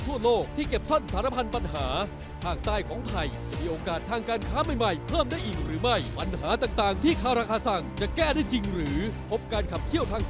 สวัสดีครับ